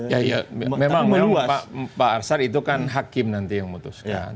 ya memang pak arsar itu kan hakim nanti yang memutuskan